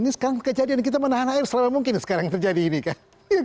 ini sekarang kejadian kita menahan air selama mungkin sekarang terjadi ini kan